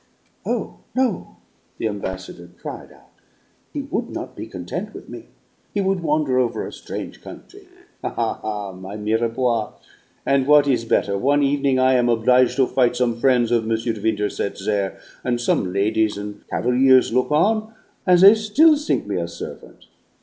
"Oh, no!" the ambassador cried out. "He would not be content with me; he would wander over a strange country." "Ha, ha, my Mirepoix! And what is better, one evening I am oblige' to fight some frien's of M. de Winterset there, and some ladies and cavaliers look on, and they still think me a servant.